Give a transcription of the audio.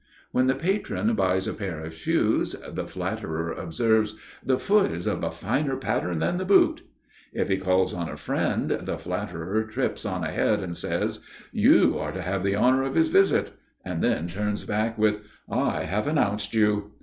When the patron buys a pair of shoes, the flatterer observes: "The foot is of a finer pattern than the boot"; if he calls on a friend, the flatterer trips on ahead and says: "You are to have the honor of his visit"; and then turns back with, "I have announced you."